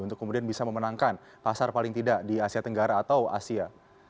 untuk kemudian bisa memenangkan pasar paling tidak di asia tenggara atau asia